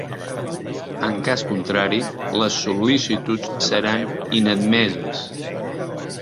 En cas contrari, les sol·licituds seran inadmeses.